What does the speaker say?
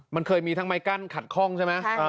มันเคยมีทางไม้กั้นขัดข้องใช่มะ